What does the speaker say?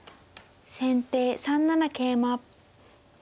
先手３七桂馬。